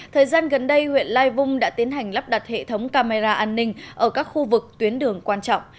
thời gian gần đây huyện lai vung đã tiến hành lắp đặt hệ thống camera an ninh ở các khu vực tuyến đường quan trọng